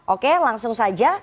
oke langsung saja